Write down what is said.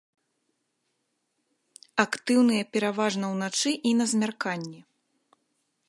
Актыўныя пераважна ўначы і на змярканні.